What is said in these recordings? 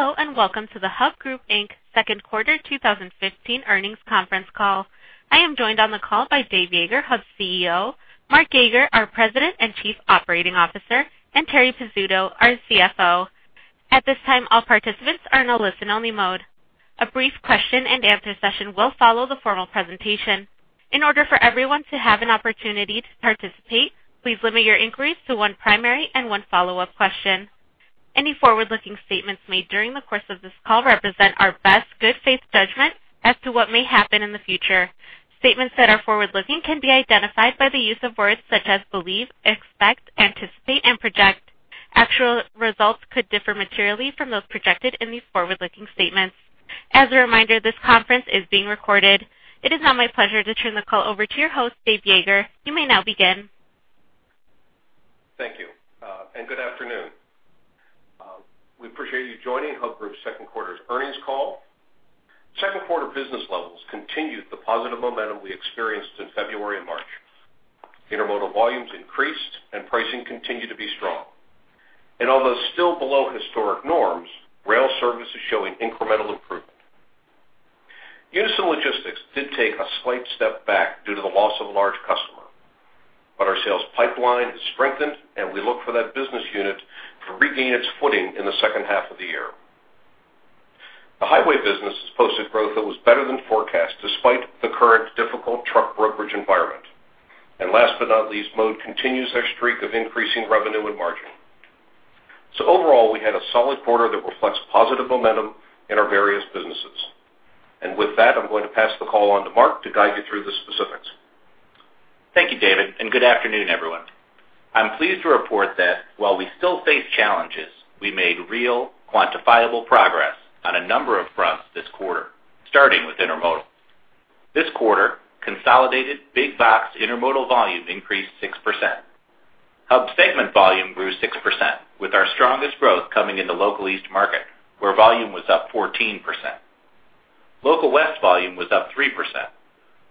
Hello, and welcome to the Hub Group Inc. second quarter 2015 earnings conference call. I am joined on the call by Dave Yeager, Hub's CEO, Mark Yeager, our President and Chief Operating Officer, and Terri Pizzuto, our CFO. At this time, all participants are in a listen-only mode. A brief question-and-answer session will follow the formal presentation. In order for everyone to have an opportunity to participate, please limit your inquiries to one primary and one follow-up question. Any forward-looking statements made during the course of this call represent our best good faith judgment as to what may happen in the future. Statements that are forward-looking can be identified by the use of words such as believe, expect, anticipate, and project. Actual results could differ materially from those projected in these forward-looking statements. As a reminder, this conference is being recorded. It is now my pleasure to turn the call over to your host, Dave Yeager. You may now begin. Thank you, and good afternoon. We appreciate you joining Hub Group's second quarter's earnings call. Second quarter business levels continued the positive momentum we experienced in February and March. Intermodal volumes increased and pricing continued to be strong. Although still below historic norms, rail service is showing incremental improvement. Unyson Logistics did take a slight step back due to the loss of a large customer, but our sales pipeline has strengthened, and we look for that business unit to regain its footing in the second half of the year. The highway business has posted growth that was better than forecast, despite the current difficult truck brokerage environment. Last but not least, Mode continues their streak of increasing revenue and margin. Overall, we had a solid quarter that reflects positive momentum in our various businesses. With that, I'm going to pass the call on to Mark to guide you through the specifics. Thank you, David, and good afternoon, everyone. I'm pleased to report that while we still face challenges, we made real, quantifiable progress on a number of fronts this quarter, starting with Intermodal. This quarter, consolidated big box Intermodal volume increased 6%. Hub's segment volume grew 6%, with our strongest growth coming in the Local East market, where volume was up 14%. Local West volume was up 3%,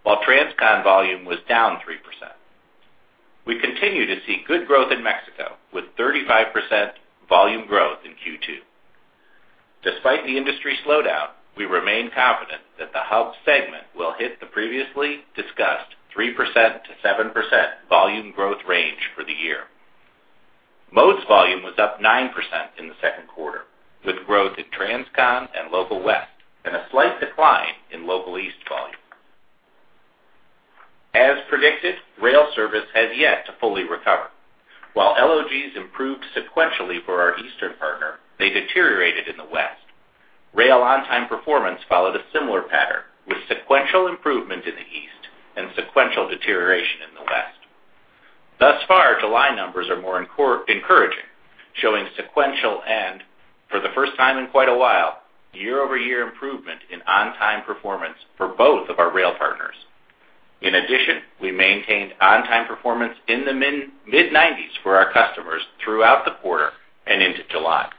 while Transcon volume was down 3%. We continue to see good growth in Mexico, with 35% volume growth in Q2. Despite the industry slowdown, we remain confident that the Hub segment will hit the previously discussed 3%-7% volume growth range for the year. Mode's volume was up 9% in the second quarter, with growth in Transcon and Local West and a slight decline in Local East volume. As predicted, rail service has yet to fully recover. While LOGs improved sequentially for our Eastern partner, they deteriorated in the West. Rail on-time performance followed a similar pattern, with sequential improvement in the East and sequential deterioration in the West. Thus far, July numbers are more encouraging, showing sequential and, for the first time in quite a while, year-over-year improvement in on-time performance for both of our rail partners. In addition, we maintained on-time performance in the mid-90s for our customers throughout the quarter and into July.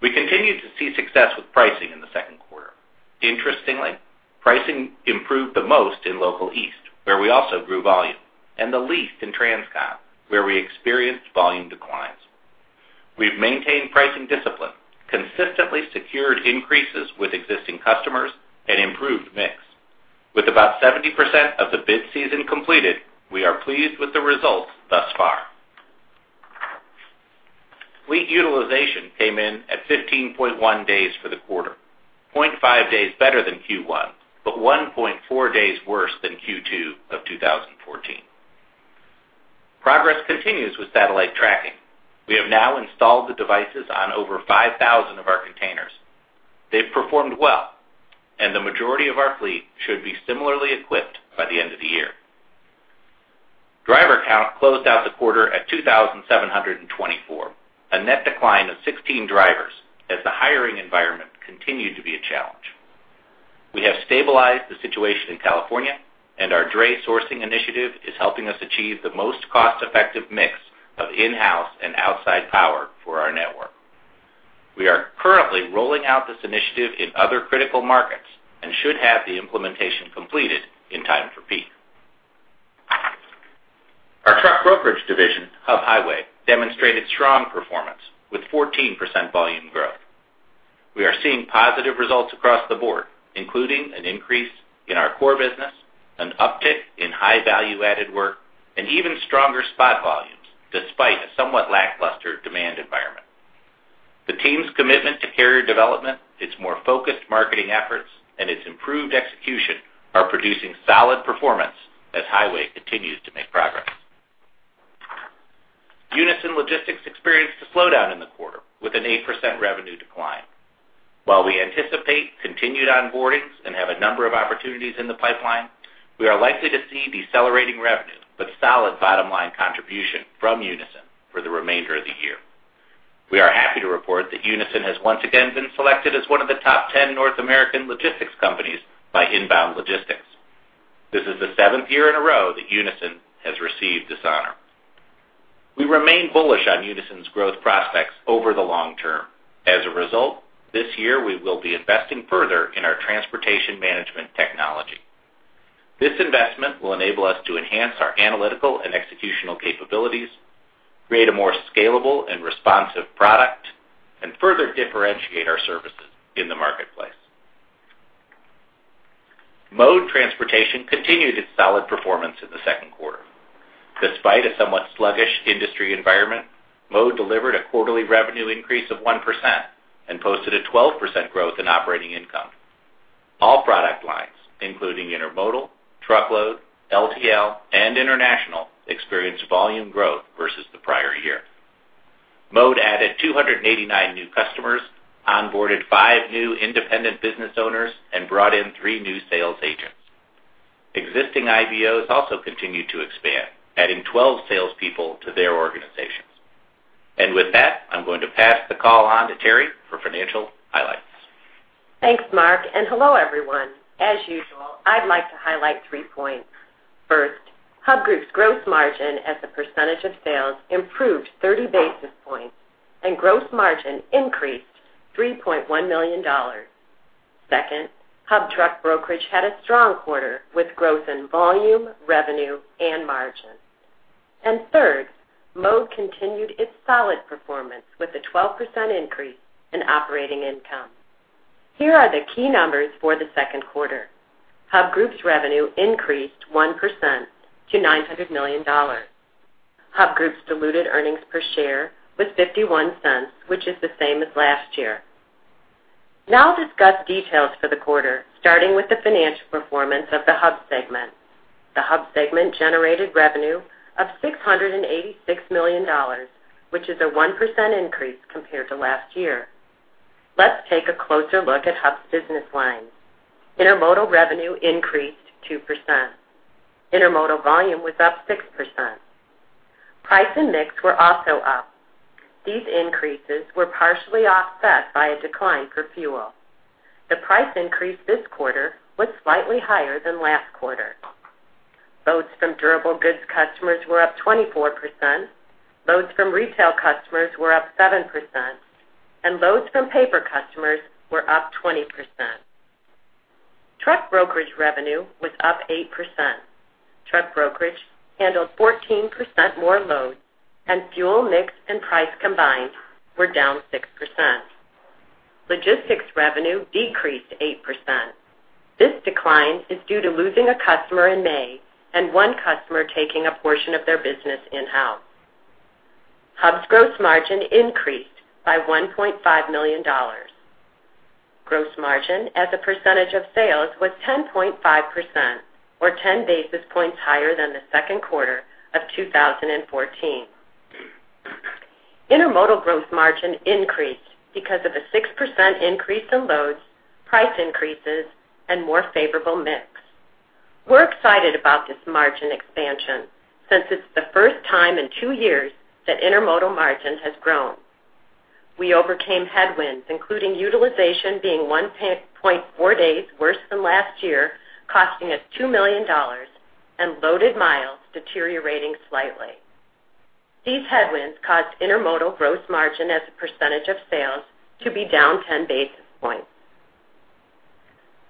We continued to see success with pricing in the second quarter. Interestingly, pricing improved the most in Local East, where we also grew volume, and the least in Transcon, where we experienced volume declines. We've maintained pricing discipline, consistently secured increases with existing customers, and improved mix. With about 70% of the bid season completed, we are pleased with the results thus far. Fleet utilization came in at 15.1 days for the quarter, 0.5 days better than Q1, but one point four days worse than Q2 of 2014. Progress continues with satellite tracking. We have now installed the devices on over 5,000 of our containers. They've performed well, and the majority of our fleet should be similarly equipped by the end of the year. Driver count closed out the quarter at 2,724, a net decline of 16 drivers, as the hiring environment continued to be a challenge. We have stabilized the situation in California, and our dray sourcing initiative is helping us achieve the most cost-effective mix of in-house and outside power for our network. We are currently rolling out this initiative in other critical markets and should have the implementation completed in time for peak. Our truck brokerage division, Hub Highway, demonstrated strong performance with 14% volume growth. We are seeing positive results across the board, including an increase in our core business, an uptick in high value-added work, and even stronger spot volumes, despite a somewhat lackluster demand environment. The team's commitment to carrier development, its more focused marketing efforts, and its improved execution are producing solid performance as Highway continues to make progress. Unyson Logistics experienced a slowdown in the quarter with an 8% revenue decline. While we anticipate continued onboardings and have a number of opportunities in the pipeline, we are likely to see decelerating revenue, but solid bottom line contribution from Unyson for the remainder of the year. We are happy to report that Unyson has once again been selected as one of the top 10 North American logistics companies by Inbound Logistics. This is the seventh year in a row that Unyson has received this honor. We remain bullish on Unyson's growth prospects over the long term. As a result, this year we will be investing further in our transportation management technology.... This investment will enable us to enhance our analytical and executional capabilities, create a more scalable and responsive product, and further differentiate our services in the marketplace. Mode Transportation continued its solid performance in the second quarter. Despite a somewhat sluggish industry environment, Mode delivered a quarterly revenue increase of 1% and posted a 12% growth in operating income. All product lines, including intermodal, truckload, LTL, and international, experienced volume growth versus the prior year. Mode added 289 new customers, onboarded five new independent business owners, and brought in three new sales agents. Existing IBOs also continued to expand, adding 12 salespeople to their organizations. With that, I'm going to pass the call on to Terri for financial highlights. Thanks, Mark, and hello, everyone. As usual, I'd like to highlight three points. First, Hub Group's gross margin as a percentage of sales improved 30 basis points, and gross margin increased $3.1 million. Second, Hub Truck Brokerage had a strong quarter, with growth in volume, revenue, and margin. And third, Mode continued its solid performance with a 12% increase in operating income. Here are the key numbers for the second quarter. Hub Group's revenue increased 1% to $900 million. Hub Group's diluted earnings per share was $0.51, which is the same as last year. Now I'll discuss details for the quarter, starting with the financial performance of the Hub segment. The Hub segment generated revenue of $686 million, which is a 1% increase compared to last year. Let's take a closer look at Hub's business lines. Intermodal revenue increased 2%. Intermodal volume was up 6%. Price and mix were also up. These increases were partially offset by a decline for fuel. The price increase this quarter was slightly higher than last quarter. Loads from durable goods customers were up 24%, loads from retail customers were up 7%, and loads from paper customers were up 20%. Truck brokerage revenue was up 8%. Truck brokerage handled 14% more loads, and fuel mix and price combined were down 6%. Logistics revenue decreased 8%. This decline is due to losing a customer in May and one customer taking a portion of their business in-house. Hub's gross margin increased by $1.5 million. Gross margin as a percentage of sales was 10.5%, or 10 basis points higher than the second quarter of 2014. Intermodal gross margin increased because of a 6% increase in loads, price increases, and more favorable mix. We're excited about this margin expansion since it's the first time in two years that intermodal margin has grown. We overcame headwinds, including utilization being one point four days worse than last year, costing us $2 million, and loaded miles deteriorating slightly. These headwinds caused intermodal gross margin as a percentage of sales to be down 10 basis points.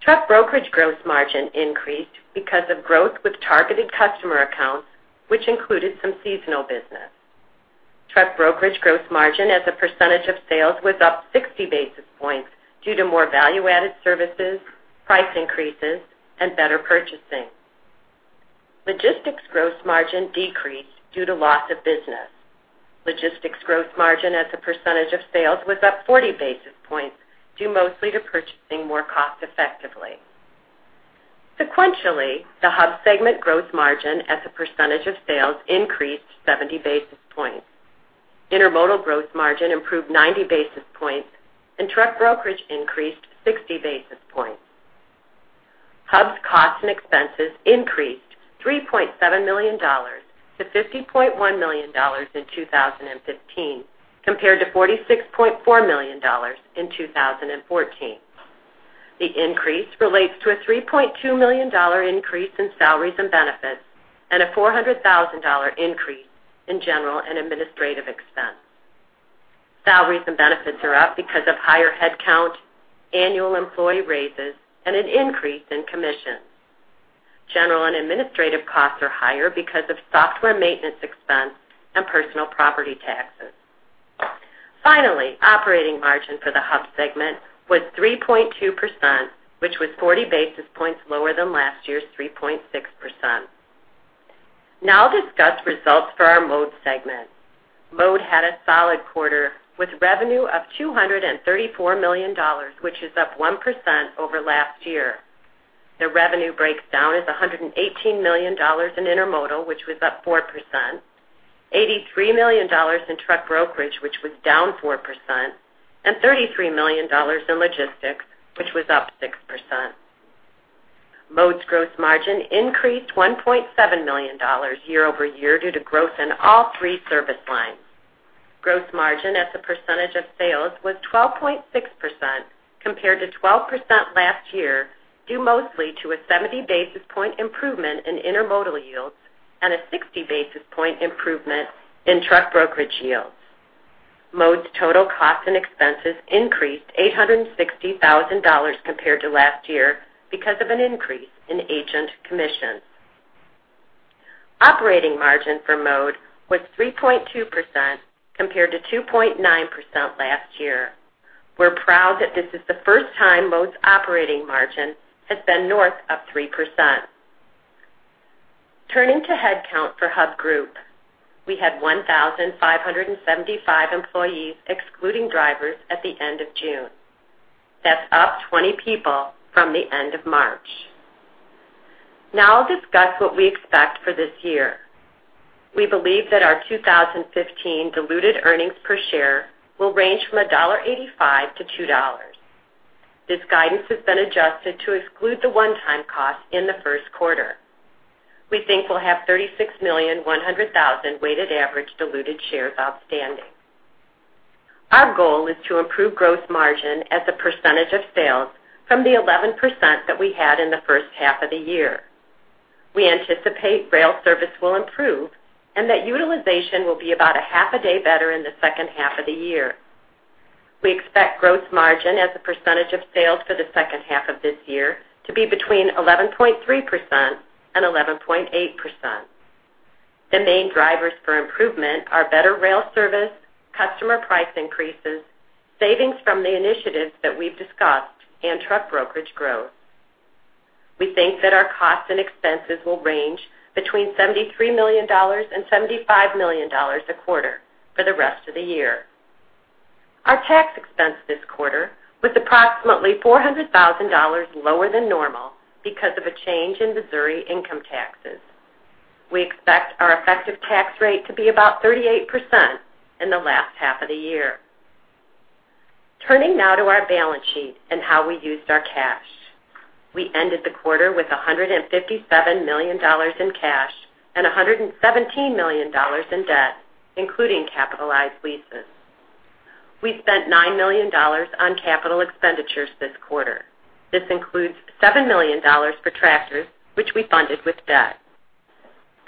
Truck brokerage gross margin increased because of growth with targeted customer accounts, which included some seasonal business. Truck brokerage gross margin as a percentage of sales was up 60 basis points due to more value-added services, price increases, and better purchasing. Logistics gross margin decreased due to loss of business. Logistics gross margin as a percentage of sales was up 40 basis points, due mostly to purchasing more cost effectively. Sequentially, the Hub segment gross margin as a percentage of sales increased 70 basis points. Intermodal gross margin improved 90 basis points, and truck brokerage increased 60 basis points. Hub's costs and expenses increased $3.7 million to $50.1 million in 2015, compared to $46.4 million in 2014. The increase relates to a $3.2 million increase in salaries and benefits and a $400,000 increase in general and administrative expenses. Salaries and benefits are up because of higher headcount, annual employee raises, and an increase in commissions. General and administrative costs are higher because of software maintenance expense and personal property taxes. Finally, operating margin for the Hub segment was 3.2%, which was 40 basis points lower than last year's 3.6%. Now I'll discuss results for our Mode segment. Mode had a solid quarter, with revenue of $234 million, which is up 1% over last year. The revenue breaks down as $118 million in intermodal, which was up 4%, $83 million in truck brokerage, which was down 4%, and $33 million in logistics, which was up 6%. Mode's gross margin increased $1.7 million year over year due to growth in all three service lines. Gross margin as a percentage of sales was 12.6%, compared to 12% last year, due mostly to a 70 basis point improvement in intermodal yields and a 60 basis point improvement in truck brokerage yields.... Mode's total cost and expenses increased $860,000 compared to last year because of an increase in agent commissions. Operating margin for Mode was 3.2%, compared to 2.9% last year. We're proud that this is the first time Mode's operating margin has been north of 3%. Turning to headcount for Hub Group, we had 1,575 employees, excluding drivers, at the end of June. That's up 20 people from the end of March. Now I'll discuss what we expect for this year. We believe that our 2015 diluted earnings per share will range from $1.85-$2. This guidance has been adjusted to exclude the one-time cost in the first quarter. We think we'll have 36,100,000 weighted average diluted shares outstanding. Our goal is to improve gross margin as a percentage of sales from the 11% that we had in the first half of the year. We anticipate rail service will improve and that utilization will be about a half a day better in the second half of the year. We expect gross margin as a percentage of sales for the second half of this year to be between 11.3% and 11.8%. The main drivers for improvement are better rail service, customer price increases, savings from the initiatives that we've discussed, and truck brokerage growth. We think that our costs and expenses will range between $73 million and $75 million a quarter for the rest of the year. Our tax expense this quarter was approximately $400,000 lower than normal because of a change in Missouri income taxes. We expect our effective tax rate to be about 38% in the last half of the year. Turning now to our balance sheet and how we used our cash. We ended the quarter with $157 million in cash and $117 million in debt, including capitalized leases. We spent $9 million on capital expenditures this quarter. This includes $7 million for tractors, which we funded with debt.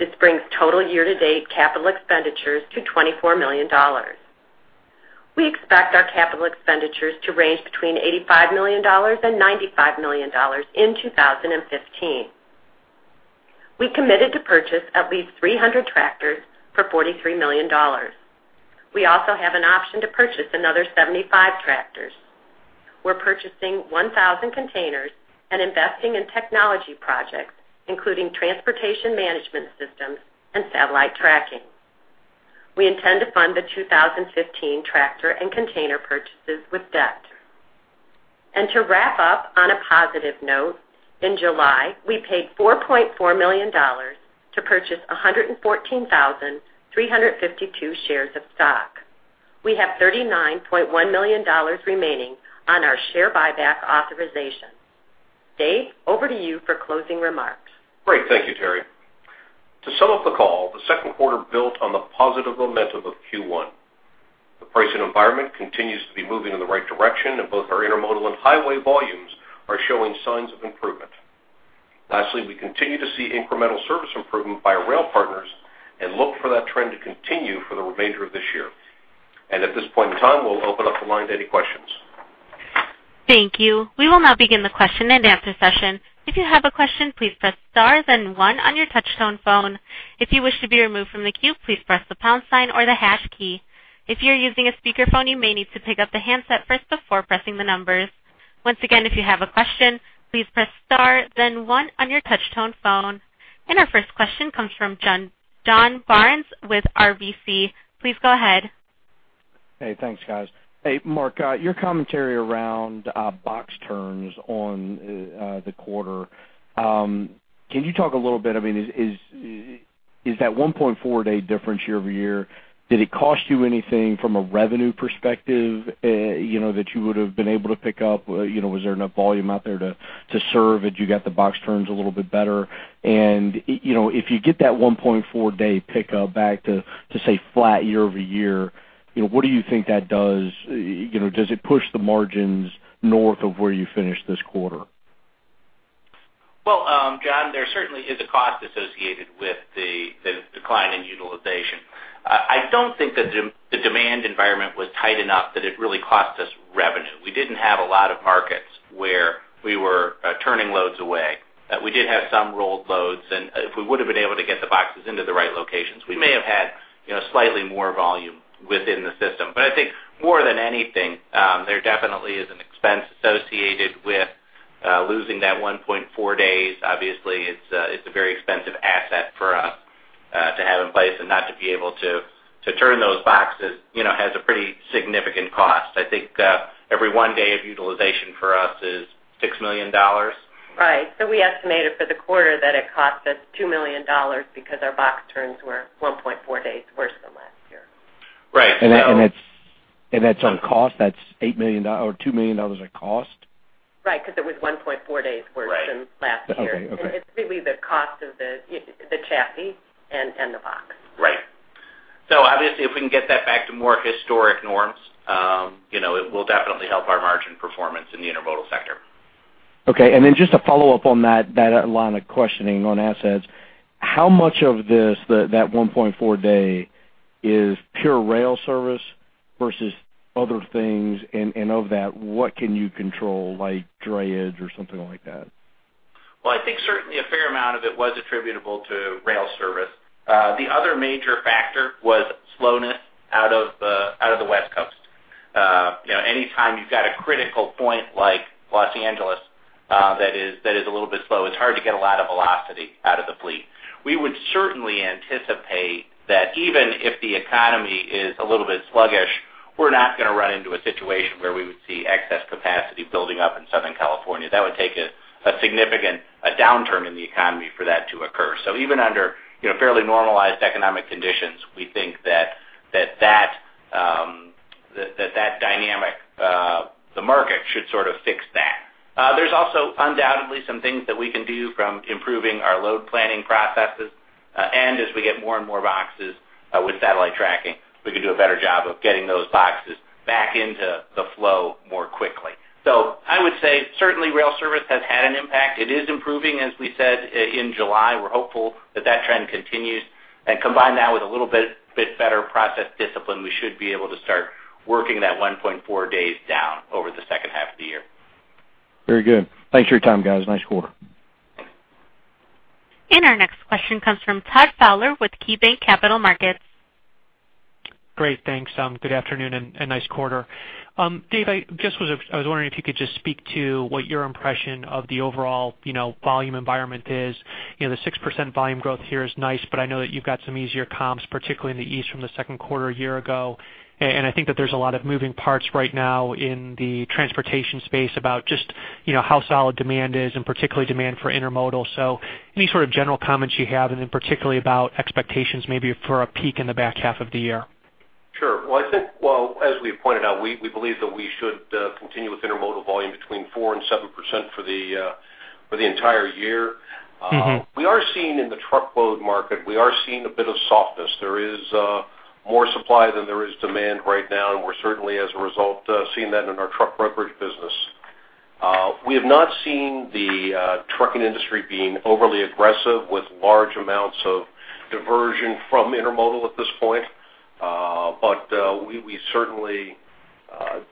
This brings total year-to-date capital expenditures to $24 million. We expect our capital expenditures to range between $85 million and $95 million in 2015. We committed to purchase at least 300 tractors for $43 million. We also have an option to purchase another 75 tractors. We're purchasing 1,000 containers and investing in technology projects, including transportation management systems and satellite tracking. We intend to fund the 2015 tractor and container purchases with debt. To wrap up on a positive note, in July, we paid $4.4 million to purchase 114,352 shares of stock. We have $39.1 million remaining on our share buyback authorization. Dave, over to you for closing remarks. Great. Thank you, Terri. To sum up the call, the second quarter built on the positive momentum of Q1. The pricing environment continues to be moving in the right direction, and both our intermodal and highway volumes are showing signs of improvement. Lastly, we continue to see incremental service improvement by our rail partners and look for that trend to continue for the remainder of this year. At this point in time, we'll open up the line to any questions. Thank you. We will now begin the question-and-answer session. If you have a question, please press star, then one on your touchtone phone. If you wish to be removed from the queue, please press the pound sign or the hash key. If you're using a speakerphone, you may need to pick up the handset first before pressing the numbers. Once again, if you have a question, please press star, then one on your touchtone phone. Our first question comes from John, John Barnes with RBC. Please go ahead. Hey, thanks, guys. Hey, Mark, your commentary around box turns on the quarter. Can you talk a little bit? I mean, is that 1.4-day difference year-over-year, did it cost you anything from a revenue perspective, you know, that you would have been able to pick up? You know, was there enough volume out there to serve, had you got the box turns a little bit better? And you know, if you get that one point four-day pickup back to, say, flat year-over-year, you know, what do you think that does? You know, does it push the margins north of where you finished this quarter? Well, John, there certainly is a cost associated with the decline in utilization. I don't think that the demand environment was tight enough that it really cost us revenue. We didn't have a lot of markets where we were turning loads away. We did have some rolled loads, and if we would have been able to get the boxes into the right locations, we may have had, you know, slightly more volume within the system. But I think more than anything, there definitely is an expense associated with losing that one point four days. Obviously, it's a very expensive asset for us to have in place, and not to be able to turn those boxes, you know, has a pretty significant cost. I think every one day of utilization for us is $6 million. Right. So we estimated for the quarter that it cost us $2 million because our box turns were one point four days worse than last year. Right, so- That's, that's on cost? That's $8 million doll-- or $2 million in cost? Right, because it was one point four days worse, right, than last year. Okay. Okay. It's really the cost of the chassis and the box. Right. So obviously, if we can get that back to more historic norms, you know, it will definitely help our margin performance in the intermodal sector.... Okay, and then just a follow-up on that, that line of questioning on assets. How much of this, that, that one point four day is pure rail service versus other things? And, and of that, what can you control, like drayage or something like that? Well, I think certainly a fair amount of it was attributable to rail service. The other major factor was slowness out of the West Coast. You know, anytime you've got a critical point like Los Angeles, that is a little bit slow, it's hard to get a lot of velocity out of the fleet. We would certainly anticipate that even if the economy is a little bit sluggish, we're not gonna run into a situation where we would see excess capacity building up in Southern California. That would take a significant downturn in the economy for that to occur. So even under, you know, fairly normalized economic conditions, we think that that dynamic, the market should sort of fix that. There's also undoubtedly some things that we can do from improving our load planning processes, and as we get more and more boxes with satellite tracking, we can do a better job of getting those boxes back into the flow more quickly. So I would say certainly rail service has had an impact. It is improving, as we said, in July. We're hopeful that that trend continues, and combine that with a little bit better process discipline, we should be able to start working that one point four days down over the second half of the year. Very good. Thanks for your time, guys. Nice quarter. Our next question comes from Todd Fowler with KeyBanc Capital Markets. Great, thanks. Good afternoon and nice quarter. Dave, I was wondering if you could just speak to what your impression of the overall, you know, volume environment is. You know, the 6% volume growth here is nice, but I know that you've got some easier comps, particularly in the East from the second quarter a year ago. And I think that there's a lot of moving parts right now in the transportation space about just, you know, how solid demand is and particularly demand for intermodal. So any sort of general comments you have, and then particularly about expectations, maybe for a peak in the back half of the year? Sure. Well, I think, well, as we pointed out, we, we believe that we should continue with intermodal volume between 4% and 7% for the, for the entire year. Mm-hmm. We are seeing in the truckload market, we are seeing a bit of softness. There is more supply than there is demand right now, and we're certainly, as a result, seeing that in our truck brokerage business. We have not seen the trucking industry being overly aggressive with large amounts of diversion from intermodal at this point. But we certainly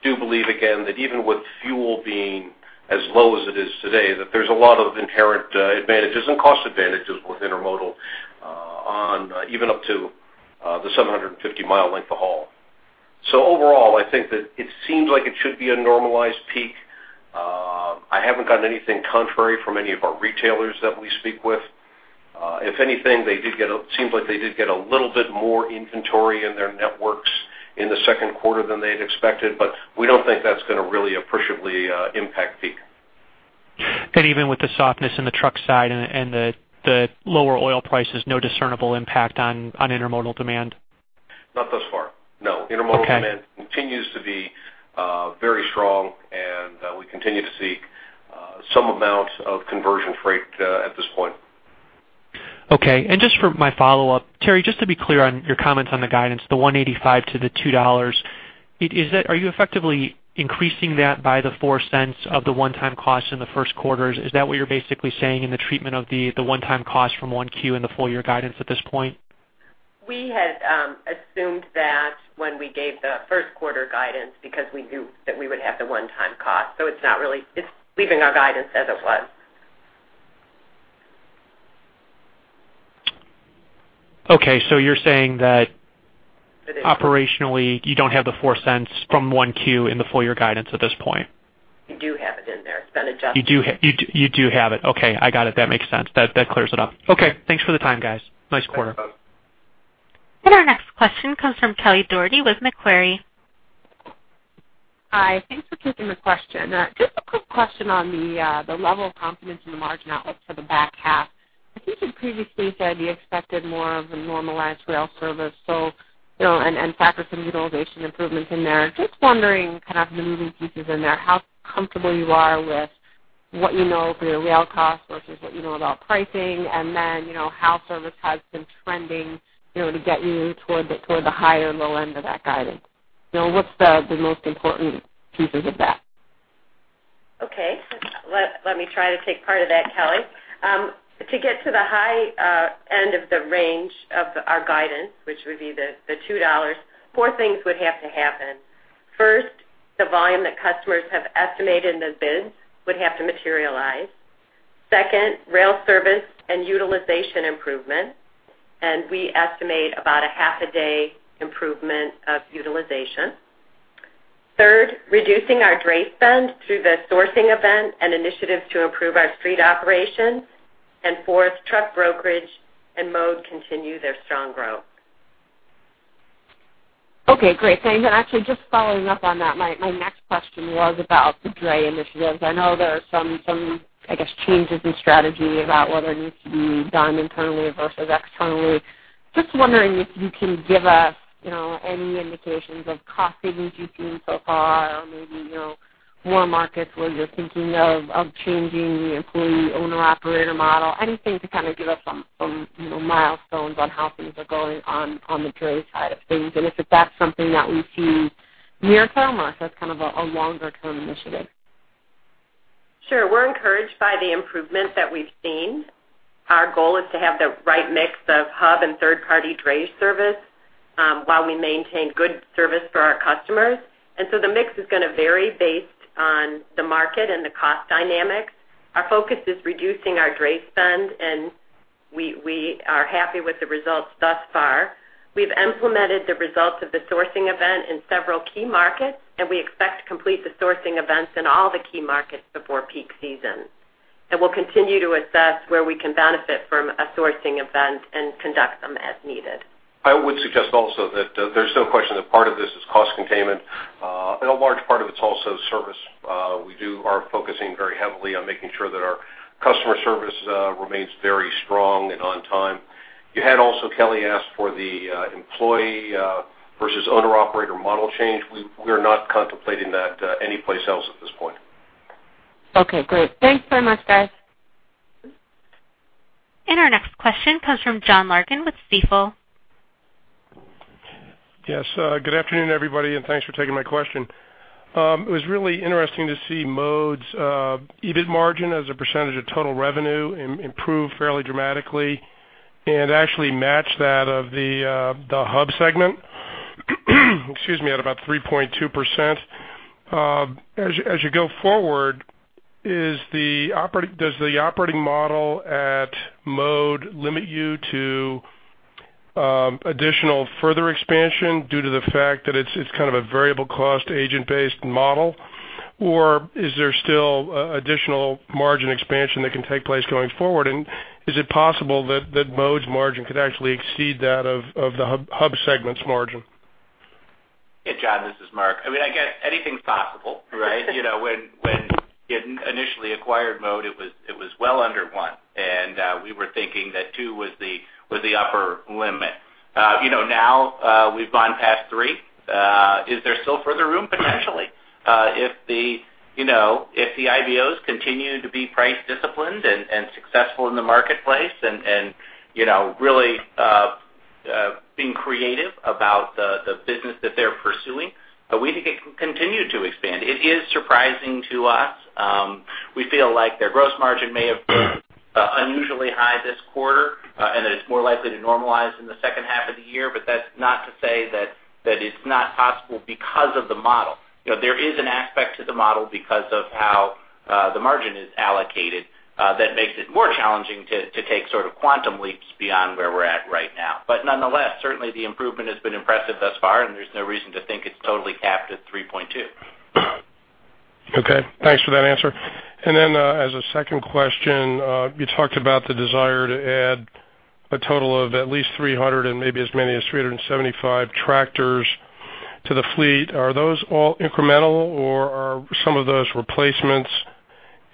do believe, again, that even with fuel being as low as it is today, that there's a lot of inherent advantages and cost advantages with intermodal on even up to the 750-mile length of haul. So overall, I think that it seems like it should be a normalized peak. I haven't gotten anything contrary from any of our retailers that we speak with. If anything, they did get seems like they did get a little bit more inventory in their networks in the second quarter than they had expected, but we don't think that's gonna really appreciably impact peak. And even with the softness in the truck side and the lower oil prices, no discernible impact on intermodal demand? Not thus far, no. Okay. Intermodal demand continues to be very strong, and we continue to see some amount of conversion freight at this point. Okay. Just for my follow-up, Terri, just to be clear on your comments on the guidance, the $1.85-$2, is, is that, are you effectively increasing that by the $0.04 of the one-time cost in the first quarter? Is that what you're basically saying in the treatment of the, the one-time cost from 1Q and the full year guidance at this point? We had assumed that when we gave the first quarter guidance, because we knew that we would have the one-time cost. So it's not really... It's leaving our guidance as it was. Okay, so you're saying that- It is. Operationally, you don't have the $0.04 from 1Q in the full-year guidance at this point? We do have it in there. It's been adjusted. You do have it. Okay, I got it. That makes sense. That clears it up. Okay, thanks for the time, guys. Nice quarter. Thanks, Todd. Our next question comes from Kelly Dougherty with Macquarie. Hi, thanks for taking the question. Just a quick question on the level of confidence in the margin outlook for the back half. I think you previously said you expected more of a normalized rail service, so you know, and factor some utilization improvements in there. Just wondering, kind of the moving pieces in there, how comfortable you are with what you know for your rail costs versus what you know about pricing, and then, you know, how service has been trending, you know, to get you toward the high and low end of that guidance. You know, what's the most important pieces of that? Okay. Let me try to take part of that, Kelly. To get to the high end of the range of our guidance, which would be the $2, four things would have to happen. First, the volume that customers have estimated in the bids would have to materialize. Second, rail service and utilization improvement, and we estimate about a half a day improvement of utilization. Third, reducing our dray spend through the sourcing event and initiatives to improve our street operations. And fourth, truck brokerage and mode continue their strong growth. Okay, great. Thanks. And actually, just following up on that, my next question was about the dray initiatives. I know there are some changes in strategy about what needs to be done internally versus externally. Just wondering if you can give us, you know, any indications of cost savings you've seen so far, or maybe, you know, more markets where you're thinking of changing the employee owner-operator model. Anything to kind of give us some milestones on how things are going on the dray side of things, and if that's something that we see near term, or that's kind of a longer term initiative? Sure. We're encouraged by the improvement that we've seen. Our goal is to have the right mix of hub and third-party dray service, while we maintain good service for our customers. And so the mix is gonna vary based on the market and the cost dynamics. Our focus is reducing our dray spend, and we, we are happy with the results thus far. We've implemented the results of the sourcing event in several key markets, and we expect to complete the sourcing events in all the key markets before peak season. And we'll continue to assess where we can benefit from a sourcing event and conduct them as needed. I would suggest also that there's no question that part of this is cost containment, and a large part of it is also service. We are focusing very heavily on making sure that our customer service remains very strong and on time. You had also, Kelly, asked for the employee versus owner-operator model change. We are not contemplating that anyplace else at this point. Okay, great. Thanks so much, guys! Our next question comes from John Larkin with Stifel. Yes, good afternoon, everybody, and thanks for taking my question. It was really interesting to see Mode's EBIT margin as a percentage of total revenue improve fairly dramatically and actually match that of the Hub segment, excuse me, at about 3.2%. As you go forward, does the operating model at Mode limit you to additional further expansion due to the fact that it's kind of a variable cost, agent-based model? Or is there still additional margin expansion that can take place going forward? And is it possible that Mode's margin could actually exceed that of the Hub segment's margin? Hey, John, this is Mark. I mean, I guess anything's possible, right? You know, when initially acquired Mode, it was well under 1, and we were thinking that 2 was the upper limit. You know, now we've gone past 3. Is there still further room? Potentially. If the, you know, if the IBOs continue to be price disciplined and successful in the marketplace and, you know, really being creative about the business that they're pursuing, we think it can continue to expand. It is surprising to us. We feel like their gross margin may have been unusually high this quarter, and that it's more likely to normalize in the second half of the year, but that's not to say that it's not possible because of the model. You know, there is an aspect to the model because of how the margin is allocated that makes it more challenging to take sort of quantum leaps beyond where we're at right now. But nonetheless, certainly the improvement has been impressive thus far, and there's no reason to think it's totally capped at 3.2. Okay, thanks for that answer. And then, as a second question, you talked about the desire to add a total of at least 300 and maybe as many as 375 tractors to the fleet. Are those all incremental, or are some of those replacements?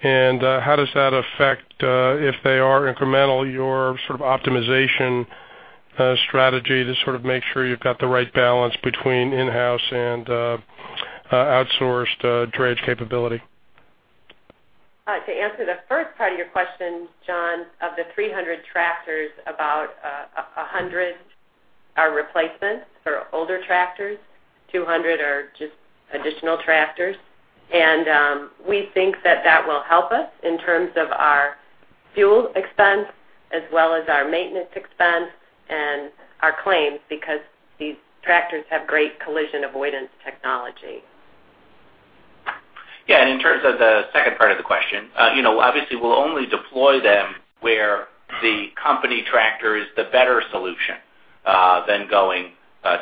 And, how does that affect, if they are incremental, your sort of optimization strategy to sort of make sure you've got the right balance between in-house and outsourced drayage capability? To answer the first part of your question, John, of the 300 tractors, about 100 are replacements for older tractors. 200 are just additional tractors. We think that that will help us in terms of our fuel expense, as well as our maintenance expense and our claims, because these tractors have great collision avoidance technology. Yeah, and in terms of the second part of the question, you know, obviously, we'll only deploy them where the company tractor is the better solution than going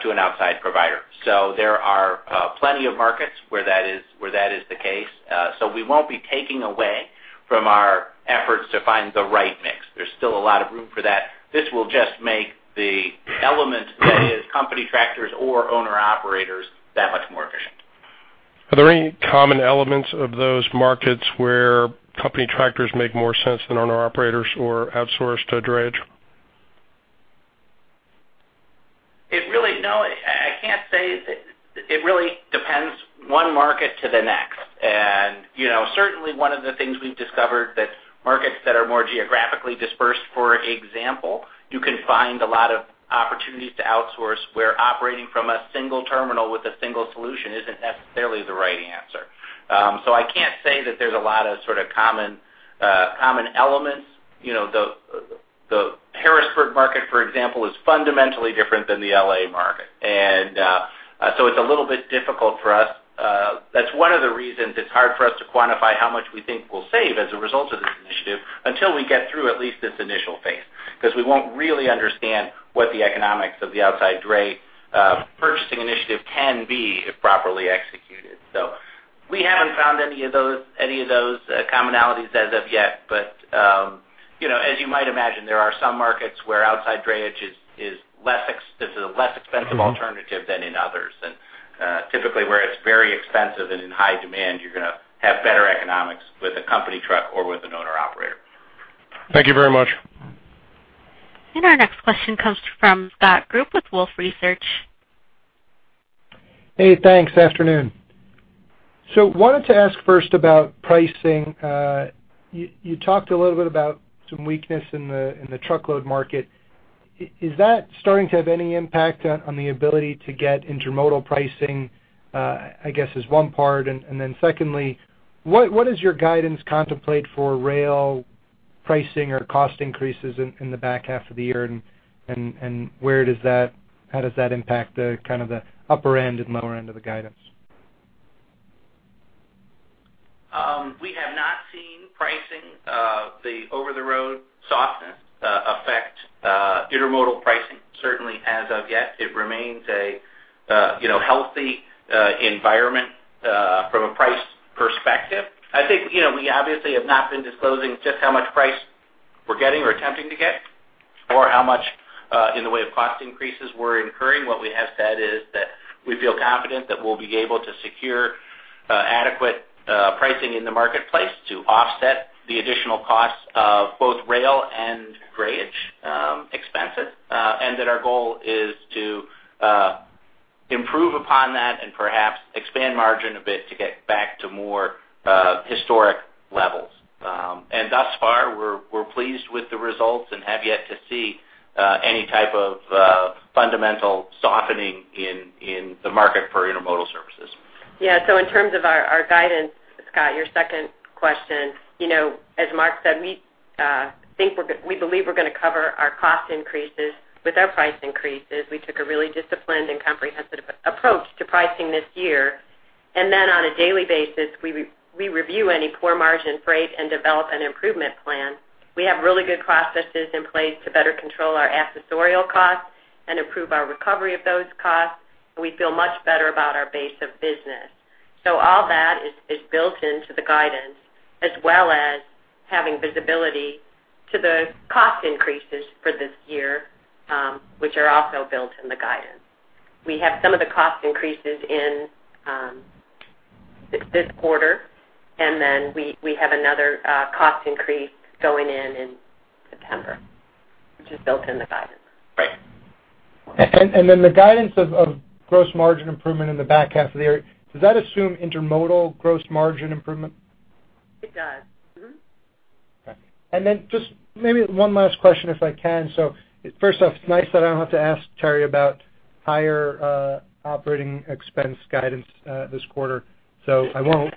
to an outside provider. So there are plenty of markets where that is, where that is the case. So we won't be taking away from our efforts to find the right mix. There's still a lot of room for that. This will just make the element that is company tractors or owner-operators that much more efficient. Are there any common elements of those markets where company tractors make more sense than owner-operators or outsourced, drayage? No, I can't say. It really depends on one market to the next. And, you know, certainly, one of the things we've discovered that markets that are more geographically dispersed, for example, you can find a lot of opportunities to outsource, where operating from a single terminal with a single solution isn't necessarily the right answer. So I can't say that there's a lot of sort of common, common elements. You know, the Harrisburg market, for example, is fundamentally different than the LA market. And, so it's a little bit difficult for us. That's one of the reasons it's hard for us to quantify how much we think we'll save as a result of this initiative, until we get through at least this initial phase, because we won't really understand what the economics of the outside dray purchasing initiative can be if properly executed. So we haven't found any of those commonalities as of yet. But, you know, as you might imagine, there are some markets where outside drayage is a less expensive alternative than in others. And, typically, where it's very expensive and in high demand, you're gonna have better economics with a company truck or with an owner-operator. Thank you very much. Our next question comes from Scott Group with Wolfe Research. Hey, thanks. Afternoon.... So wanted to ask first about pricing. You talked a little bit about some weakness in the truckload market. Is that starting to have any impact on the ability to get intermodal pricing, I guess, is one part, and then secondly, what does your guidance contemplate for rail pricing or cost increases in the back half of the year, and where does that, how does that impact the kind of the upper end and lower end of the guidance? We have not seen pricing, the over-the-road softness affect intermodal pricing, certainly as of yet. It remains a, you know, healthy environment from a price perspective. I think, you know, we obviously have not been disclosing just how much price we're getting or attempting to get, or how much in the way of cost increases we're incurring. What we have said is that we feel confident that we'll be able to secure adequate pricing in the marketplace to offset the additional costs of both rail and drayage expenses, and that our goal is to improve upon that and perhaps expand margin a bit to get back to more historic levels. Thus far, we're pleased with the results and have yet to see any type of fundamental softening in the market for intermodal services. Yeah, so in terms of our guidance, Scott, your second question, you know, as Mark said, we believe we're gonna cover our cost increases with our price increases. We took a really disciplined and comprehensive approach to pricing this year. And then on a daily basis, we review any poor margin freight and develop an improvement plan. We have really good processes in place to better control our accessorial costs and improve our recovery of those costs, and we feel much better about our base of business. So all that is built into the guidance, as well as having visibility to the cost increases for this year, which are also built in the guidance. We have some of the cost increases in this quarter, and then we have another cost increase going in in September, which is built in the guidance. Right. And then the guidance of gross margin improvement in the back half of the year, does that assume intermodal gross margin improvement? It does. Mm-hmm. Okay. And then just maybe one last question, if I can. So first off, it's nice that I don't have to ask Terri about higher operating expense guidance this quarter, so I won't.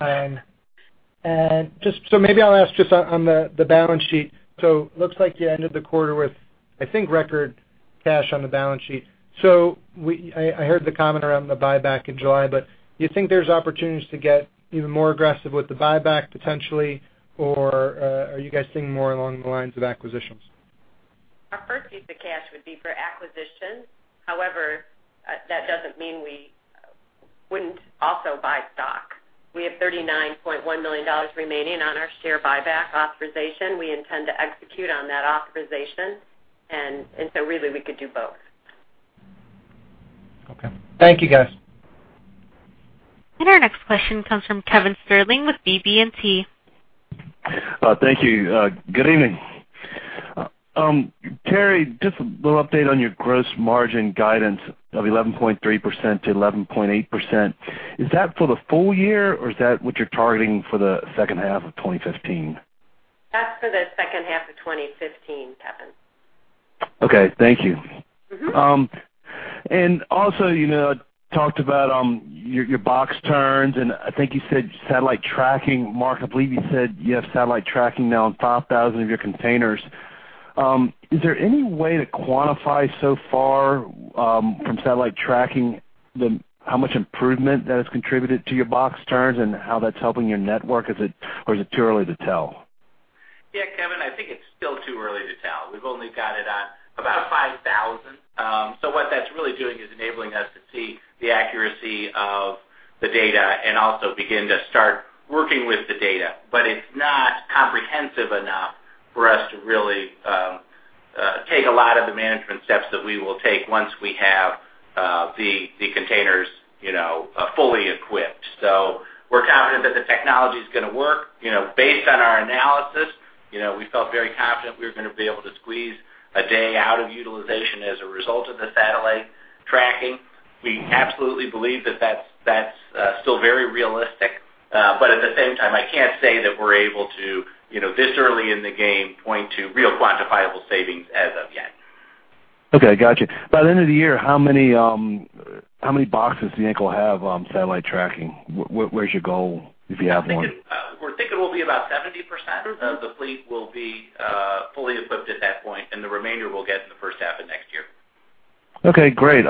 And just so maybe I'll ask just on the balance sheet. So looks like you ended the quarter with, I think, record cash on the balance sheet. So I heard the comment around the buyback in July, but do you think there's opportunities to get even more aggressive with the buyback potentially, or are you guys thinking more along the lines of acquisitions? Our first use of cash would be for acquisitions. However, that doesn't mean we wouldn't also buy stock. We have $39.1 million remaining on our share buyback authorization. We intend to execute on that authorization, and so really, we could do both. Okay. Thank you, guys. Our next question comes from Kevin Sterling with BB&T. Thank you. Good evening. Terri, just a little update on your gross margin guidance of 11.3%-11.8%. Is that for the full year, or is that what you're targeting for the second half of 2015? That's for the second half of 2015, Kevin. Okay. Thank you. Mm-hmm. And also, you know, talked about your box turns, and I think you said satellite tracking. Mark, I believe you said you have satellite tracking now on 5,000 of your containers. Is there any way to quantify so far from satellite tracking how much improvement that has contributed to your box turns and how that's helping your network, or is it too early to tell? Yeah, Kevin, I think it's still too early to tell. We've only got it on about 5,000. So what that's really doing is enabling us to see the accuracy of the data and also begin to start working with the data. But it's not comprehensive enough for us to really take a lot of the management steps that we will take once we have the containers, you know, fully equipped. So we're confident that the technology is gonna work. You know, based on our analysis, you know, we felt very confident we were gonna be able to squeeze a day out of utilization as a result of the satellite tracking. We absolutely believe that that's still very realistic. At the same time, I can't say that we're able to, you know, this early in the game, point to real quantifiable savings as of yet. Okay, gotcha. By the end of the year, how many boxes do you think will have satellite tracking? Where, where's your goal, if you have one? We're thinking it will be about 70%- Mm-hmm... of the fleet will be fully equipped at that point, and the remainder will get in the first half of next year. Okay, great.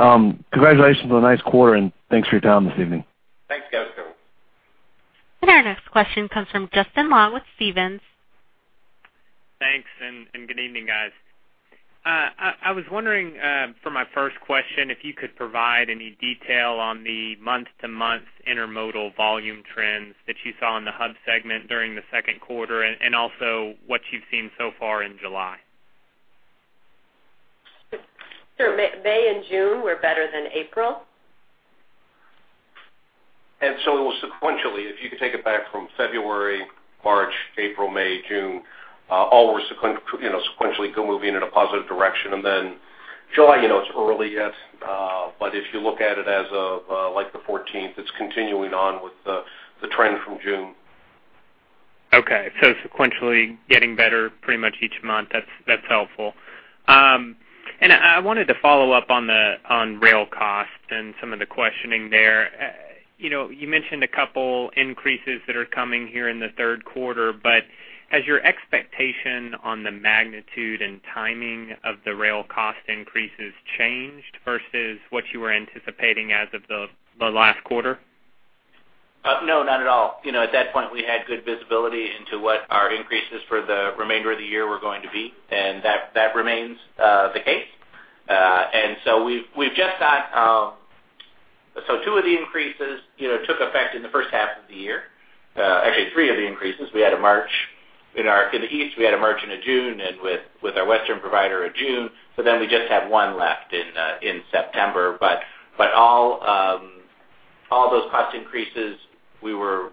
Congratulations on a nice quarter, and thanks for your time this evening. Thanks, Kevin. Our next question comes from Justin Long with Stephens. Thanks, and good evening, guys. I was wondering, for my first question, if you could provide any detail on the month-to-month intermodal volume trends that you saw in the Hub segment during the second quarter, and also what you've seen so far in July? Sure. May and June were better than April. And so sequentially, if you could take it back from February, March, April, May, June, all were sequentially moving in a positive direction, and then-... July, you know, it's early yet, but if you look at it as of, like the fourteenth, it's continuing on with the trend from June. Okay. So sequentially getting better pretty much each month. That's, that's helpful. And I wanted to follow up on rail costs and some of the questioning there. You know, you mentioned a couple increases that are coming here in the third quarter, but has your expectation on the magnitude and timing of the rail cost increases changed versus what you were anticipating as of the last quarter? No, not at all. You know, at that point, we had good visibility into what our increases for the remainder of the year were going to be, and that, that remains, the case. And so we've, we've just got, so 2 of the increases, you know, took effect in the first half of the year. Actually, 3 of the increases. We had in March, in our - in the East, we had a March and a June, and with, with our Western provider, a June, so then we just have 1 left in, in September. But, but all, all those cost increases, we were,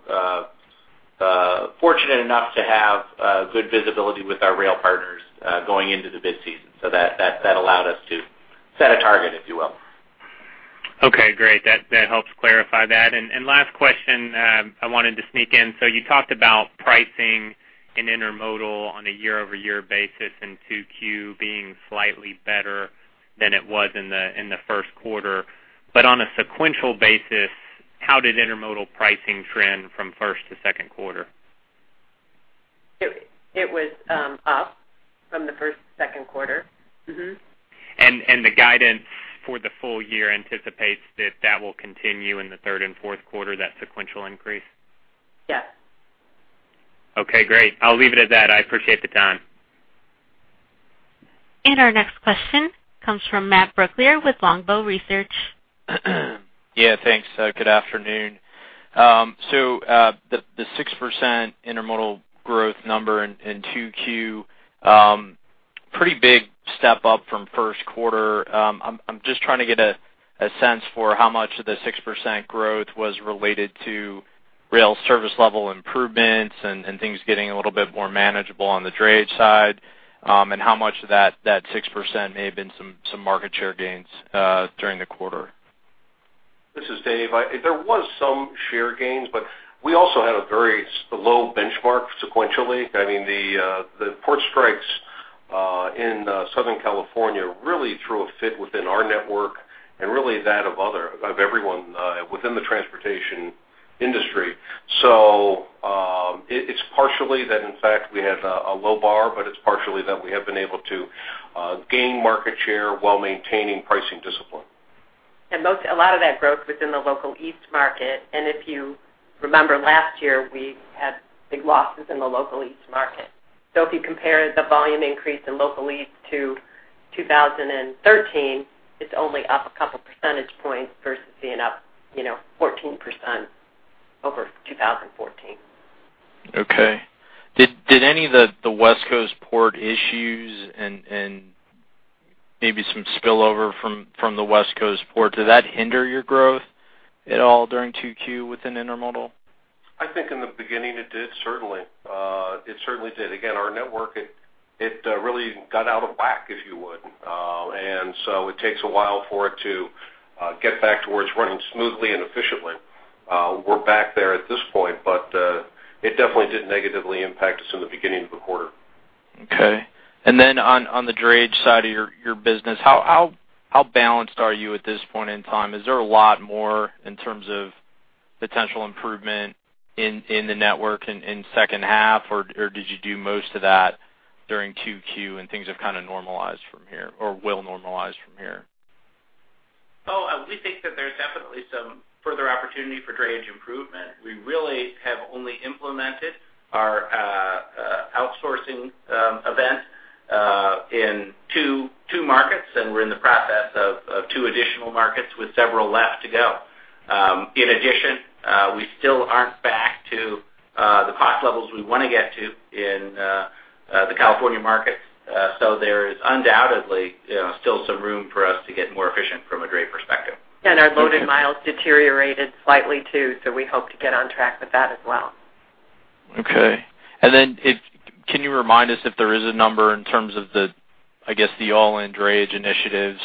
fortunate enough to have, good visibility with our rail partners, going into the busy season. So that, that, that allowed us to set a target, if you will. Okay, great. That helps clarify that. And last question, I wanted to sneak in. So you talked about pricing in intermodal on a year-over-year basis, and 2Q being slightly better than it was in the first quarter. But on a sequential basis, how did intermodal pricing trend from first to second quarter? It was up from the first to second quarter. Mm-hmm. The guidance for the full year anticipates that that will continue in the third and fourth quarter, that sequential increase? Yes. Okay, great. I'll leave it at that. I appreciate the time. Our next question comes from Matt Brooklier with Longbow Research. Yeah, thanks. Good afternoon. So, the 6% intermodal growth number in 2Q, pretty big step up from first quarter. I'm just trying to get a sense for how much of the 6% growth was related to rail service level improvements and things getting a little bit more manageable on the drayage side, and how much of that 6% may have been some market share gains during the quarter. This is Dave. There was some share gains, but we also had a very low benchmark sequentially. I mean, the port strikes in Southern California really threw a fit within our network and really that of everyone within the transportation industry. So, it's partially that, in fact, we had a low bar, but it's partially that we have been able to gain market share while maintaining pricing discipline. And most, a lot of that growth within the Local East market, and if you remember last year, we had big losses in the Local East market. So if you compare the volume increase in Local East to 2013, it's only up a couple percentage points versus being up, you know, 14% over 2014. Okay. Did any of the West Coast port issues and maybe some spillover from the West Coast port hinder your growth at all during 2Q within intermodal? I think in the beginning, it did, certainly. It certainly did. Again, our network, it really got out of whack, if you would. And so it takes a while for it to get back towards running smoothly and efficiently. We're back there at this point, but it definitely did negatively impact us in the beginning of the quarter. Okay. And then on the drayage side of your business, how balanced are you at this point in time? Is there a lot more in terms of potential improvement in the network in second half, or did you do most of that during 2Q, and things have kind of normalized from here or will normalize from here? Oh, we think that there's definitely some further opportunity for drayage improvement. We really have only implemented our outsourcing event in 2 markets, and we're in the process of 2 additional markets with several left to go. In addition, we still aren't back to the cost levels we want to get to in the California market. So there is undoubtedly, you know, still some room for us to get more efficient from a dray perspective. Our loaded miles deteriorated slightly, too, so we hope to get on track with that as well. Okay. Can you remind us if there is a number in terms of the, I guess, the all-in drayage initiatives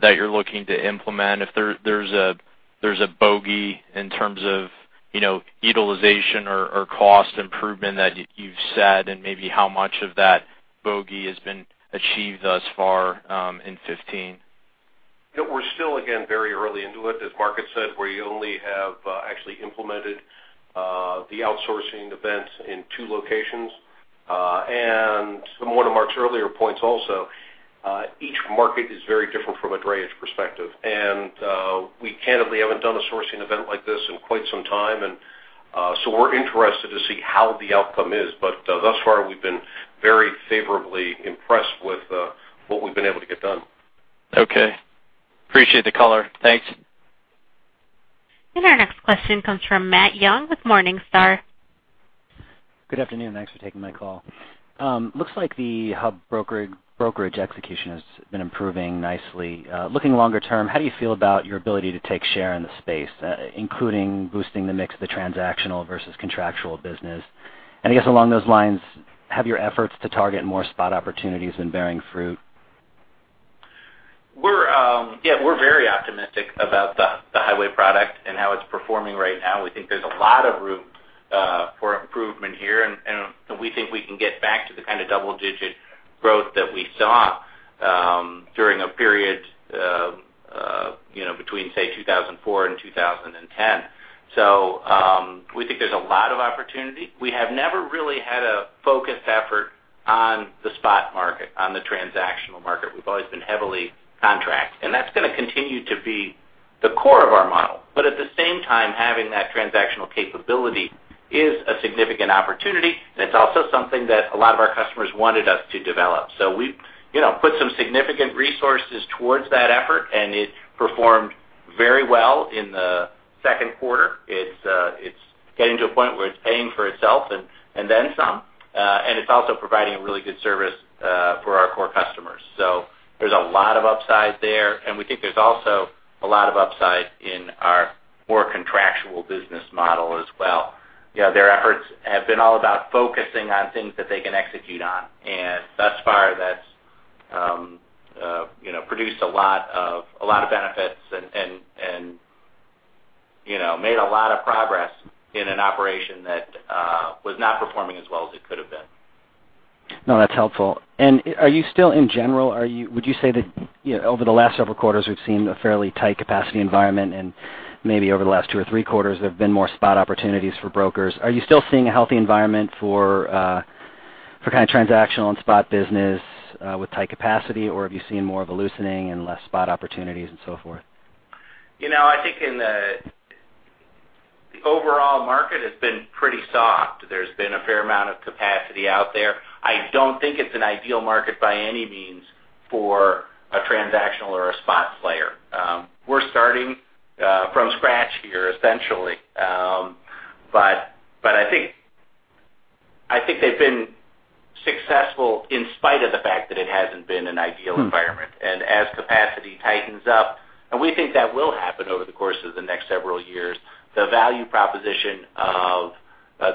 that you're looking to implement? If there's a bogey in terms of, you know, utilization or cost improvement that you've set, and maybe how much of that bogey has been achieved thus far in 2015? Yeah, we're still, again, very early into it. As Mark said, we only have, actually implemented the outsourcing events in two locations. And as one of Mark's earlier points also, each market is very different from a drayage perspective, and we candidly haven't done a sourcing event like this in quite some time, and so we're interested to see how the outcome is. But thus far, we've been very favorably impressed with what we've been able to get done. Okay. Appreciate the color. Thanks. Our next question comes from Matt Young with Morningstar. Good afternoon. Thanks for taking my call. Looks like the Hub brokerage execution has been improving nicely. Looking longer term, how do you feel about your ability to take share in the space, including boosting the mix of the transactional versus contractual business? And I guess along those lines, have your efforts to target more spot opportunities been bearing fruit? We're very optimistic about the highway product and how it's performing right now. We think there's a lot of room for improvement here, and we think we can get back to the kind of double-digit growth that we saw during a period, you know, between, say, 2004 and 2010. So, we think there's a lot of opportunity. We have never really had a focused effort on the spot market, on the transactional market. We've always been heavily contract, and that's gonna continue to be the core of our model. But at the same time, having that transactional capability is a significant opportunity, and it's also something that a lot of our customers wanted us to develop. So we've, you know, put some significant resources towards that effort, and it performed very well in the second quarter. It's, it's getting to a point where it's paying for itself and, and then some. And it's also providing a really good service, for our core customers. So there's a lot of upside there, and we think there's also a lot of upside in our more contractual business model as well. You know, their efforts have been all about focusing on things that they can execute on, and thus far, that's, you know, produced a lot of, a lot of benefits and, and, and, you know, made a lot of progress in an operation that, was not performing as well as it could have been. No, that's helpful. And are you still, in general, would you say that, you know, over the last several quarters, we've seen a fairly tight capacity environment, and maybe over the last two or three quarters, there have been more spot opportunities for brokers. Are you still seeing a healthy environment for kind of transactional and spot business with tight capacity, or have you seen more of a loosening and less spot opportunities and so forth? You know, I think in the overall market has been pretty soft. There's been a fair amount of capacity out there. I don't think it's an ideal market by any means for a transactional or a spot player. We're starting from scratch here, essentially. But I think they've been successful in spite of the fact that it hasn't been an ideal environment. Hmm. As capacity tightens up, and we think that will happen over the course of the next several years, the value proposition of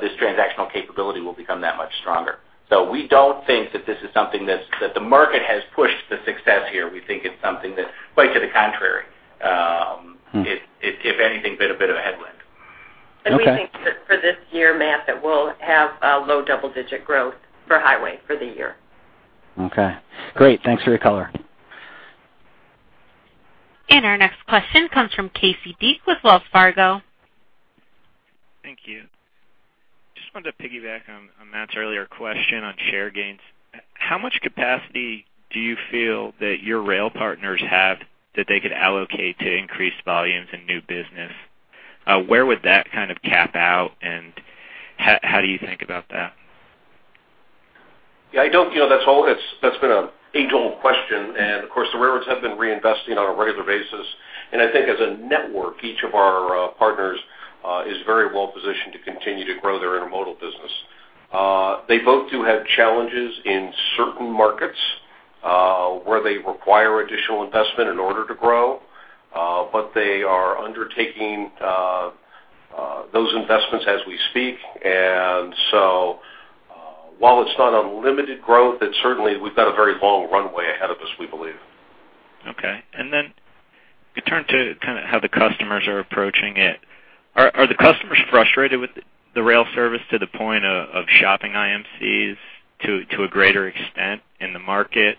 this transactional capability will become that much stronger. So we don't think that this is something that the market has pushed the success here. We think it's something that, quite to the contrary, Hmm... if anything, been a bit of a headwind. Okay. And we think that for this year, Matt, that we'll have a low double-digit growth for Highway for the year. Okay. Great. Thanks for your color. Our next question comes from Casey Deak with Wells Fargo. Thank you. Just wanted to piggyback on Matt's earlier question on share gains. How much capacity do you feel that your rail partners have that they could allocate to increased volumes and new business? Where would that kind of cap out, and how do you think about that? Yeah, I don't, you know, that's all. It's, that's been an age-old question, and of course, the railroads have been reinvesting on a regular basis. And I think as a network, each of our partners is very well positioned to continue to grow their intermodal business. They both do have challenges in certain markets where they require additional investment in order to grow, but they are undertaking those investments as we speak. And so, while it's not unlimited growth, it's certainly. We've got a very long runway ahead of us, we believe. Okay. And then to turn to kind of how the customers are approaching it. Are the customers frustrated with the rail service to the point of shopping IMCs to a greater extent in the market?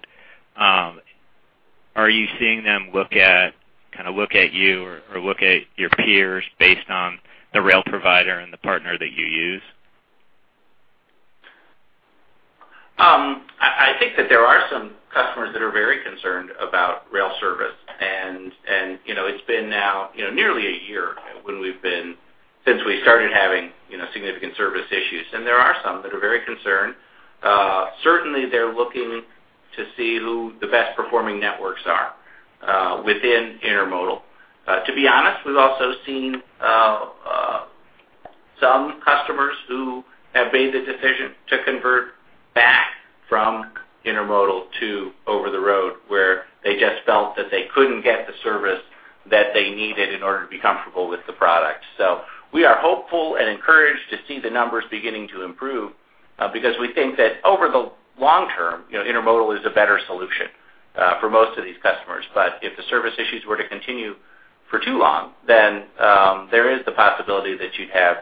Are you seeing them look at, kind of, look at you or look at your peers based on the rail provider and the partner that you use? I think that there are some customers that are very concerned about rail service, and you know, it's been now, you know, nearly a year when we've been since we started having, you know, significant service issues. And there are some that are very concerned. Certainly, they're looking to see who the best performing networks are within intermodal. To be honest, we've also seen some customers who have made the decision to convert back from intermodal to over-the-road, where they just felt that they couldn't get the service that they needed in order to be comfortable with the product. So we are hopeful and encouraged to see the numbers beginning to improve because we think that over the long term, you know, intermodal is a better solution for most of these customers. But if the service issues were to continue for too long, then there is the possibility that you'd have,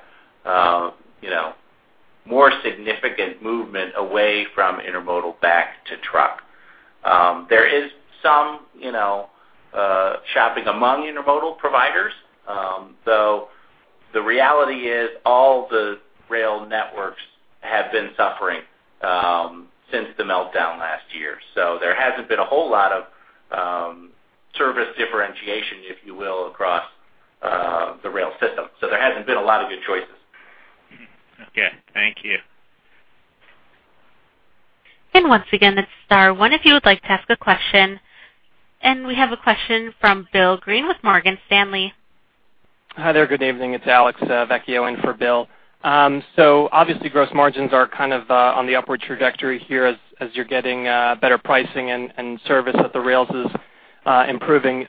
you know, more significant movement away from intermodal back to truck. There is some, you know, shopping among intermodal providers. So the reality is all the rail networks have been suffering since the meltdown last year, so there hasn't been a whole lot of service differentiation, if you will, across the rail system. So there hasn't been a lot of good choices. Mm-hmm. Okay. Thank you. Once again, it's star one if you would like to ask a question. We have a question from Bill Greene with Morgan Stanley. Hi there. Good evening. It's Alex Vecchio in for Bill. So obviously, gross margins are kind of on the upward trajectory here as you're getting better pricing and service at the rails is improving.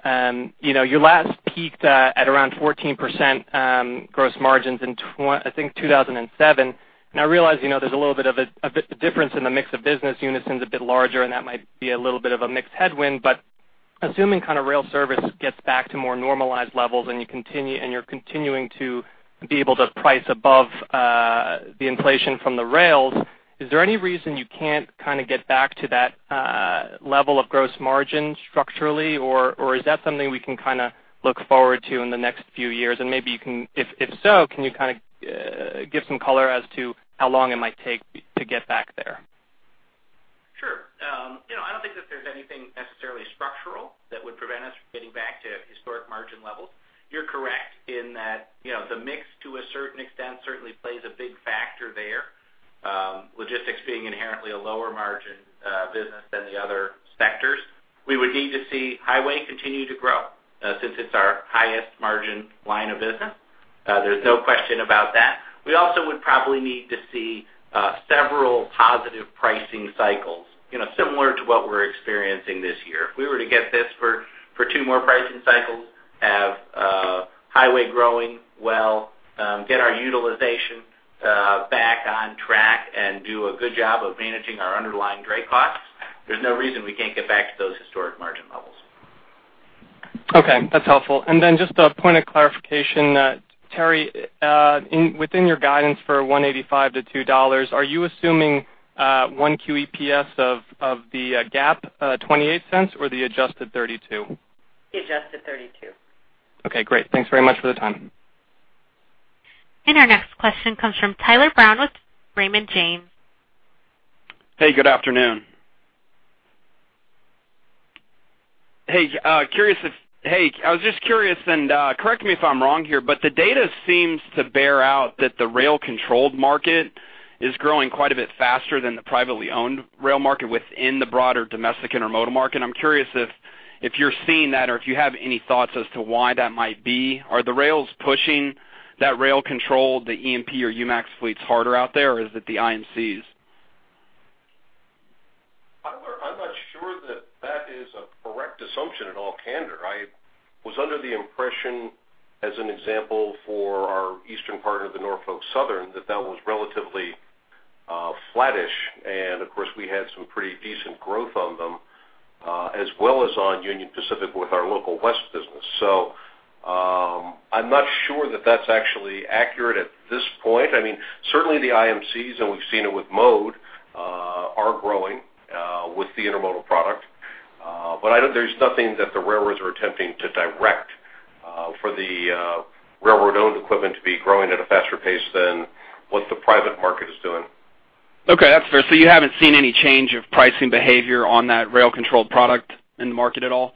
You know, you last peaked at around 14% gross margins in 2007. I think. And I realize, you know, there's a little bit of a, a bit, a difference in the mix of business. Unyson's a bit larger, and that might be a little bit of a mixed headwind, but assuming kind of rail service gets back to more normalized levels, and you continue, and you're continuing to be able to price above the inflation from the rails, is there any reason you can't kind of get back to that level of gross margin structurally? Or, is that something we can kind of look forward to in the next few years? And maybe you can, if so, can you kind of give some color as to how long it might take to get back there? Sure. You know, I don't think that there's anything necessarily structural that would prevent us from getting back to historic margin levels. You're correct in that, you know, the mix, to a certain extent, certainly plays a big factor there, logistics being inherently a lower margin business than the other sectors. We would need to see highway continue to grow, since it's our highest margin line of business. There's no question about that. We also would probably need to see several positive pricing cycles, you know, similar to what we're experiencing this year. If we were to get this for two more pricing cycles, have highway growing well, get our utilization back on track, and do a good job of managing our underlying dray costs, there's no reason we can't get back to those historic margin levels. Okay, that's helpful. And then just a point of clarification, Terri, within your guidance for $1.85-$2, are you assuming 1Q EPS of the GAAP $0.28 or the adjusted $0.32? The adjusted 32. Okay, great. Thanks very much for the time. Our next question comes from Tyler Brown with Raymond James. Hey, good afternoon. I was just curious, and correct me if I'm wrong here, but the data seems to bear out that the rail-controlled market is growing quite a bit faster than the privately owned rail market within the broader domestic intermodal market. I'm curious if you're seeing that, or if you have any thoughts as to why that might be. Are the rails pushing that rail control, the EMP or UMAX fleets harder out there, or is it the IMCs? I'm not, I'm not sure that that is a correct assumption in all candor. I was under the impression, as an example, for our eastern part of the Norfolk Southern, that that was relatively, flattish. And of course, we had some pretty decent growth on them, as well as on Union Pacific with our Local West business. So, I'm not sure that that's actually accurate at this point. I mean, certainly the IMCs, and we've seen it with Mode, are growing, with the intermodal product. But I don't-- there's nothing that the railroads are attempting to direct, for the, railroad-owned equipment to be growing at a faster pace than what the private market is doing. Okay, that's fair. So you haven't seen any change of pricing behavior on that rail-controlled product in the market at all?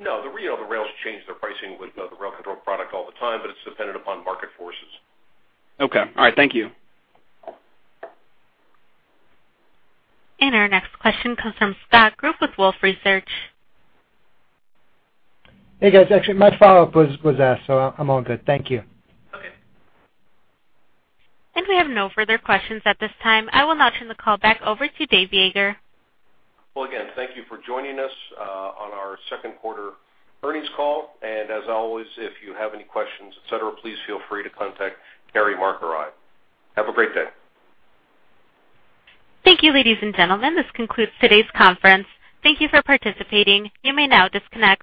No. The rail, the rails change their pricing with the rail control product all the time, but it's dependent upon market forces. Okay. All right. Thank you. Our next question comes from Scott Group with Wolfe Research. Hey, guys. Actually, my follow-up was asked, so I'm all good. Thank you. Okay. We have no further questions at this time. I will now turn the call back over to Dave Yeager. Well, again, thank you for joining us on our second quarter earnings call. As always, if you have any questions, et cetera, please feel free to contact Terri, Mark, or I. Have a great day. Thank you, ladies and gentlemen. This concludes today's conference. Thank you for participating. You may now disconnect.